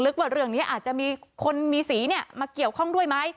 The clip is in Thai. ว่าเรื่องนี้อาจจะมีคนมีสีมาเกี่ยวข้องด้วยไหม